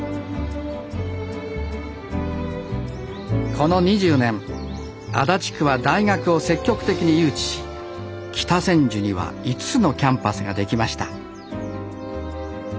この２０年足立区は大学を積極的に誘致し北千住には５つのキャンパスができました